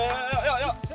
udah udah udah udah